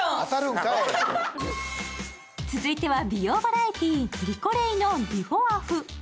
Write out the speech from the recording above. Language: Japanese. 続いては、美容バラエティー「リコレイのＢＡ」。